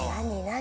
何？